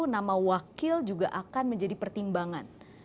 nama wakil juga akan menjadi pertimbangan